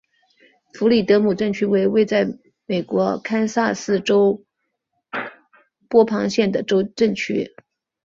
弗里德姆镇区为位在美国堪萨斯州波旁县的镇区。